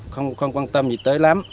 không quan tâm gì tới lắm